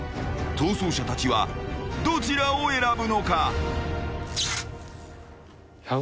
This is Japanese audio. ［逃走者たちはどちらを選ぶのか？］